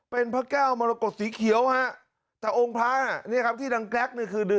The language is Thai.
เป็นพระแก้วมรกฏสีเขียวฮะแต่องค์พระน่ะนี่ครับที่ดังแกร๊กนี่คือ